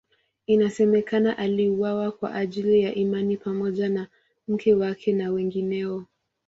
Inasemekana aliuawa kwa ajili ya imani pamoja na mke wake na wengineo.